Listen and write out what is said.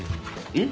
うん？